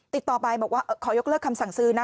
ติดต่อไปบอกว่าขอยกเลิกคำสั่งซื้อนะ